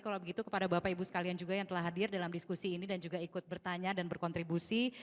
kalau begitu kepada bapak ibu sekalian juga yang telah hadir dalam diskusi ini dan juga ikut bertanya dan berkontribusi